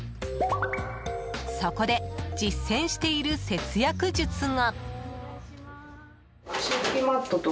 そこで実践してる節約術が。